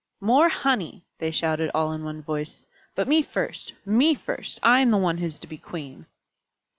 "More honey!" they shouted, all in one voice. "But me first me first. I am the one who is to be queen."